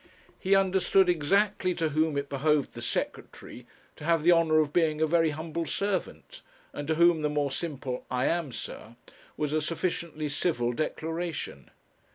He understood exactly to whom it behoved the secretary 'to have the honour of being a very humble servant,' and to whom the more simple 'I am, sir,' was a sufficiently civil declaration.